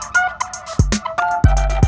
kau mau kemana